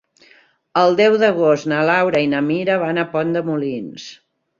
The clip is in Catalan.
El deu d'agost na Laura i na Mira van a Pont de Molins.